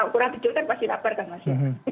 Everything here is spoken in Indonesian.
kurang tidur kan pasti lapar kan mas